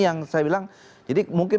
yang saya bilang jadi mungkin